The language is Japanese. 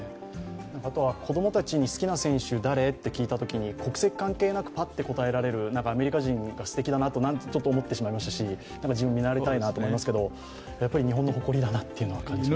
あとは子供たちに好きな選手誰？と聞いたときに国籍関係なく、パッと答えられるアメリカ人がすてきなだなと、ちょっと思ってしまいましたし、自分、見習いたいなと思いますけどやはり日本の誇りだなという感じ。